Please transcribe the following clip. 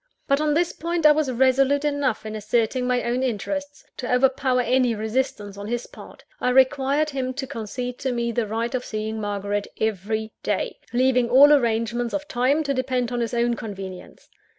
But on this point, I was resolute enough in asserting my own interests, to overpower any resistance on his part. I required him to concede to me the right of seeing Margaret every day leaving all arrangements of time to depend on his own convenience.